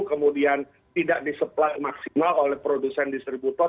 kemudian tidak disuplai maksimal oleh produsen distributor